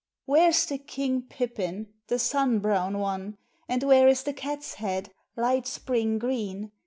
Where's the King Pippin, the sun brown one? And where is the Catshead, light Spring green?